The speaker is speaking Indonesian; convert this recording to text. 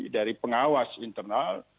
dari pengawas internal